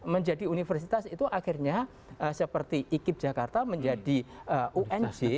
menjadi universitas itu akhirnya seperti ikip jakarta menjadi ung